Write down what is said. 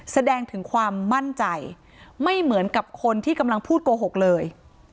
แสดงถึงความมั่นใจไม่เหมือนกับคนที่กำลังพูดโกหกเลย